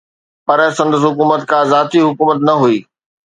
پر سندس حڪومت ڪا ذاتي حڪومت نه هئي.